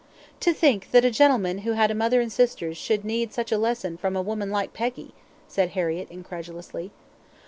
"To think that a gentleman who had a mother and sisters, should need such a lesson from a woman like Peggy," said Harriett, incredulously.